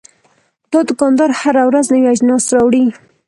دا دوکاندار هره ورځ نوي اجناس راوړي.